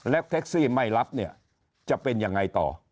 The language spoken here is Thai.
แท็กซี่ไม่รับเนี่ยจะเป็นยังไงต่อ